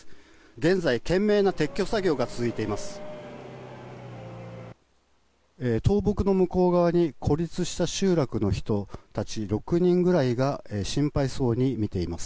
現在、懸命な撤去作業が続いています。